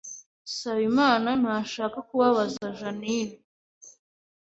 Nsabimana ntashaka kubabaza Jeaninne